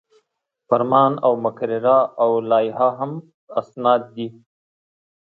فرمان او مقرره او لایحه هم اسناد دي.